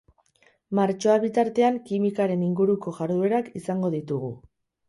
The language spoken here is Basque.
Martxoa bitartean kimikaren inguruko jarduerak izango ditugu.